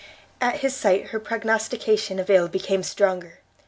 At his sight, her prognostication of ill became stronger!